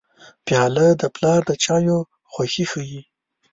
پیاله د پلار د چایو خوښي ښيي.